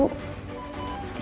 siapa yang dateng ya